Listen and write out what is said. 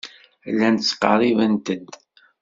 Llant ttqerribent-d.